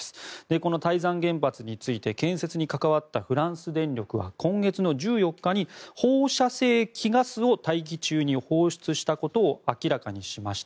この台山原発について建設に関わったフランス電力は今月の１４日に放射性希ガスを大気中に放出したことを明らかにしました。